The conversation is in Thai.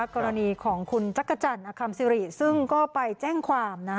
กรณีของคุณจักรจันทร์อคัมซิริซึ่งก็ไปแจ้งความ